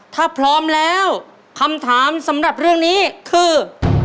ถ้าพร้อมแล้วคำถามสำหรับเรื่องนี้คือ